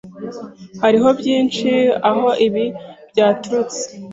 Hariho byinshi aho ibi byaturutse.